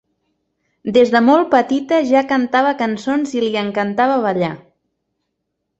Des de molt petita ja cantava cançons i li encantava ballar.